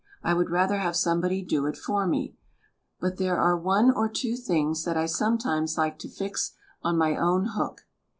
I would rather have somebody do it for me, but there are one or two things that I sometimes like to fix on my own hook.